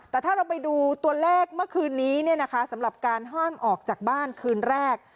แต่ถ้าเราไปดูตัวเลขเมื่อคืนนี้สำหรับการห้ามออกจากบ้านคืนแรก